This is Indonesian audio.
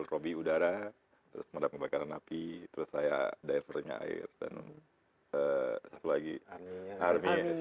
robi udara pemadam kebagaran api terus saya divernya air dan satu lagi army